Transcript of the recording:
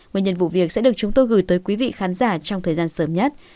nguyên nhân vụ việc sẽ được chúng tôi gửi tới quý vị khán giả trong thời gian sớm nhất